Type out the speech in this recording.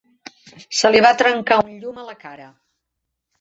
Se li va trencar un llum a la cara.